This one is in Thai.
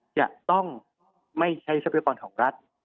จะต้องไม่ใช้ทรัพยากรของรัฐ